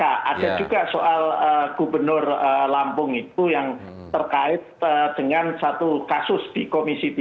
ada juga soal gubernur lampung itu yang terkait dengan satu kasus di komisi tiga